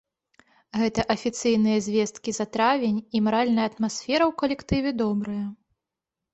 Гэта афіцыйныя звесткі за травень і маральная атмасфера ў калектыве добрая.